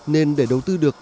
nên để đầu tư được